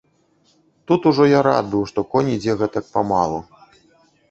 Тут ужо я рад быў, што конь ідзе гэтак памалу.